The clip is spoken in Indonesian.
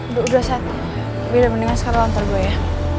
udah udah sat biar mendingan sekarang lo ntar gue ya